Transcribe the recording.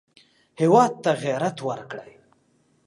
هېواد ته غیرت ورکړئ